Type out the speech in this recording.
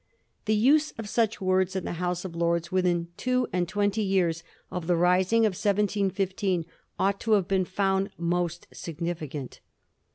The use of such words in the House of Lords within two and twenty years of the rising of 1716 ought to have been found most significant.